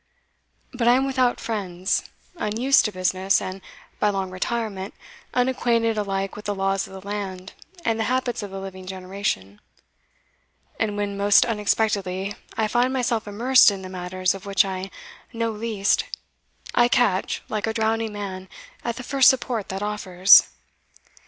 But I am without friends, unused to business, and, by long retirement, unacquainted alike with the laws of the land and the habits of the living generation; and when, most unexpectedly, I find myself immersed in the matters of which I know least, I catch, like a drowning man, at the first support that offers.